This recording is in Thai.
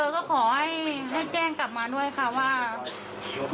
ก็ขอให้แจ้งกลับมาด้วยค่ะว่า